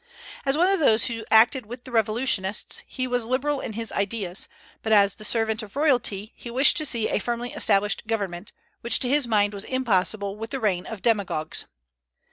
As one of those who acted with the revolutionists, he was liberal in his ideas; but as the servant of royalty he wished to see a firmly established government, which to his mind was impossible with the reign of demagogues.